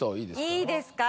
いいですか？